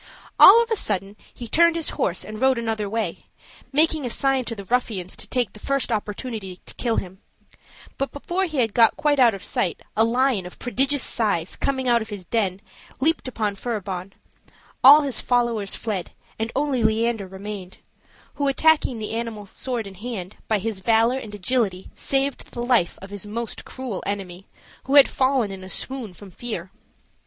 All of a sudden he turned his horse and rode another way, making a sign to the ruffians to take the first opportunity to kill him; but before he had got quite out of sight, a lion of prodigious size, coming out of his den, leaped upon Furibon; all his followers fled, and only Leander remained; who, attacking the animal sword in hand, by his valor and agility saved the life of his most cruel enemy, who had fallen in a swoon from fear.